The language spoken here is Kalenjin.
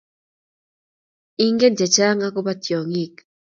Ingen chechang agoba tyongik